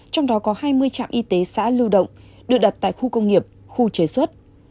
có hai mươi trạm y tế xá lưu động được đặt tại khu công nghiệp khu chế xuất